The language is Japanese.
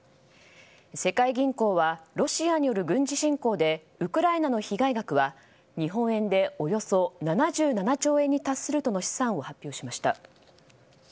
世界銀行はロシアによる軍事侵攻でウクライナの被害額は日本円でおよそ７７兆円に達するとの試算を発表しました。